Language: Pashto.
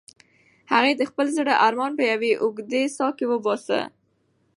هغې د خپل زړه ارمان په یوې اوږدې ساه کې وباسه.